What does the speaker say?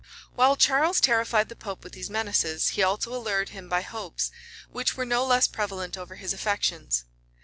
[] While Charles terrified the pope with these menaces, he also allured him by hopes, which were no less prevalent over his affections.